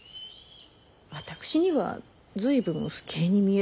私には随分不敬に見えるけれど。